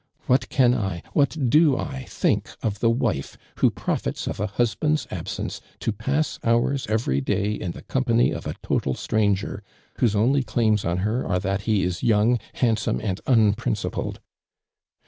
What can I, what do I think oftlu^ wife who profits of a husband's abMiico to i)ass hours every dayinthecom pany of a total stranger, whose only claims on lici' arc that he i> young, handsome and uni'vincipled?'